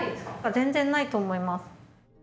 全然ないと思います。